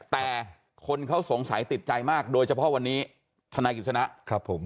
แต่คนเขาสงสัยติดใจมากโดยเฉพาะวันนี้ทนายกิจสนะครับผม